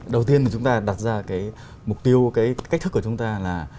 đầu tiên mà chúng ta đặt ra cái mục tiêu cái cách thức của chúng ta là